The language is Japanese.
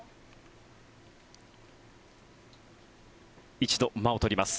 一度間を取ります。